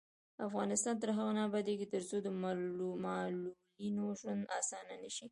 افغانستان تر هغو نه ابادیږي، ترڅو د معلولینو ژوند اسانه نشي.